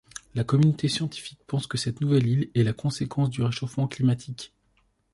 La communauté scientifique pense que cette nouvelle île est la conséquence du réchauffement climatique.